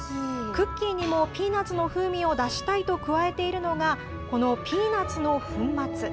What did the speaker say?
クッキーにもピーナツの風味を出したいと加えているのがこのピーナツの粉末。